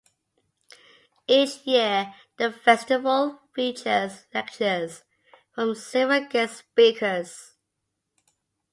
Each year the festival features lectures from several guest speakers.